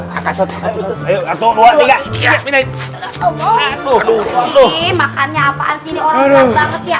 makannya apaan sih ini orang orang banget ya